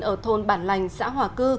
ở thôn bản lành xã hòa cư